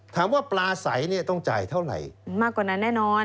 ถามว่าปลาใสเนี่ยต้องจ่ายเท่าไหร่มากกว่านั้นแน่นอน